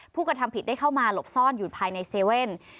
ผู้กระทำผิดได้เข้ามาหลบซ่อนอยู่ภายในเซเว่น